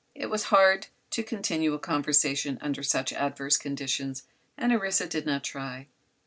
It was hard to continue a conversation under such adverse conditions and Orissa did not try.